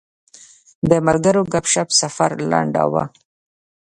د ملګرو ګپ شپ سفر لنډاوه.